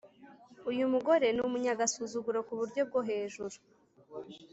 Uyumugore numuyagasusuguro kuburyo bwohejuru